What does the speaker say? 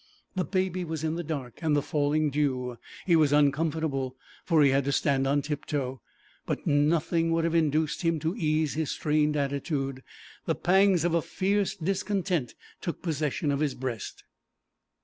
The Baby was in the dark and the falling dew; he was uncomfortable, for he had to stand on tiptoe, but nothing would have induced him to ease his strained attitude. The pangs of a fierce discontent took possession of his breast.